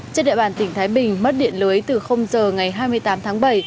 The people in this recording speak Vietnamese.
trên địa bàn tỉnh thái bình mất điện lưới từ giờ ngày hai mươi tám tháng bảy